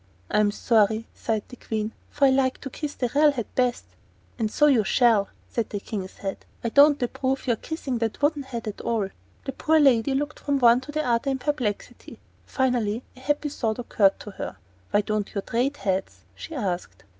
"I'm sorry," sighed the Queen, "for I like to kiss the real head best." "And so you shall," said the King's head; "I don't approve your kissing that wooden head at all." The poor lady looked from one to the other in perplexity. Finally a happy thought occurred to her. "Why don't you trade heads?" she asked.